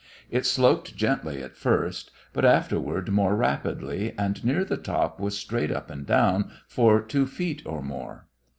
It sloped gently at first, but afterward more rapidly, and near the top was straight up and down for two feet or more.